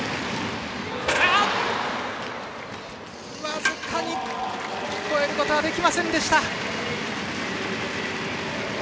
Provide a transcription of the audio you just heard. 僅かに越えることはできませんでした。